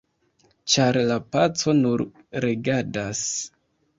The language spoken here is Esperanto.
ĉar la paco nur regadas